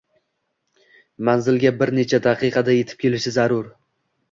manzilga bir necha daqiqada yetib kelishi zarur